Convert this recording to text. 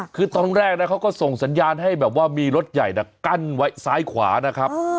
คือตอนแรกนะเขาก็ส่งสัญญาณให้แบบว่ามีรถใหญ่กั้นไว้ซ้ายขวานะครับ